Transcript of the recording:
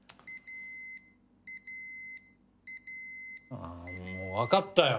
あぁもうわかったよ。